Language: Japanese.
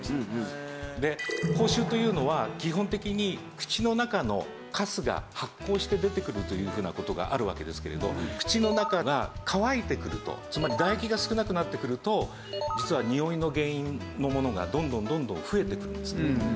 で口臭というのは基本的に口の中のカスが発酵して出てくるというふうな事があるわけですけれど口の中が乾いてくるとつまり唾液が少なくなってくると実はにおいの原因のものがどんどんどんどん増えていくんですね。